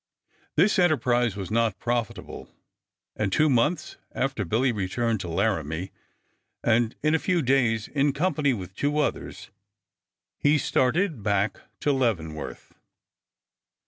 This enterprise was not profitable, and two months after Billy returned to Laramie, and in a few days, in company with two others, he started back to Leavenworth.